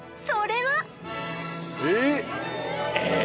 それはえ！